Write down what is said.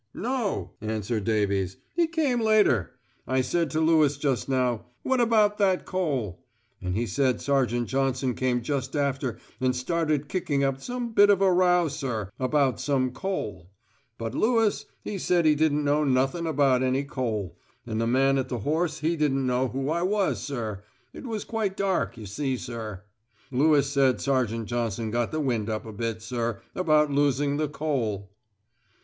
"No," answered Davies. "He came later. I said to Lewis just now, 'What about that coal?' And he said Sergeant Johnson came just after and started kicking up some bit of a row, sir, about some coal; but Lewis, he said he didn't know nothing about any coal, and the man at the horse he didn't know who I was, sir; it was quite dark, you see, sir. Lewis said Sergeant Johnson got the wind up a bit, sir, about losing the coal...."